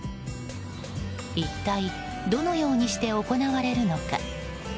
一体どのようにして行われるのか。